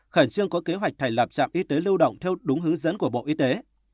khẩn trương có kế hoạch thành lập trạm y tế lưu động theo đúng hướng dẫn của bộ y tế